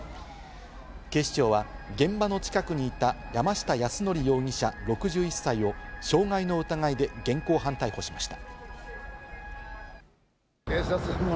警視庁は現場の近くにいた山下泰範容疑者６１歳を傷害の疑いで現行犯逮捕しました。